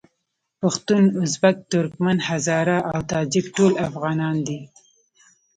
پښتون، ازبک، ترکمن، هزاره او تاجک ټول افغانان دي.